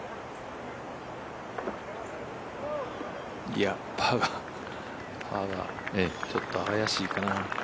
いや、パーがちょっと怪しいかな。